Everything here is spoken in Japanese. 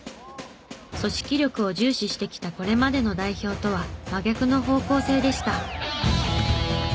組織力を重視してきたこれまでの代表とは真逆の方向性でした。